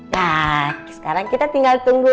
nah sekarang kita tinggal tunggu